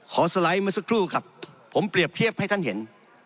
สไลด์เมื่อสักครู่ครับผมเปรียบเทียบให้ท่านเห็น